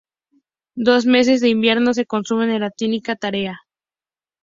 Dos meses de invierno se consumen en la titánica tarea.